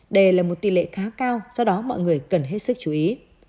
đây là một tỷ lệ khá cao do đó mọi người cần hết sức chú ý